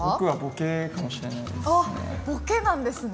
あボケなんですね。